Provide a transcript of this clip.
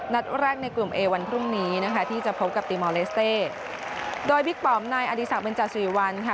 นัดแรกในกลุ่มเอวันพรุ่งนี้นะคะที่จะพบกับตีมอลเลสเต้โดยบิ๊กปอมนายอดีศักดิเบนจาสุริวัลค่ะ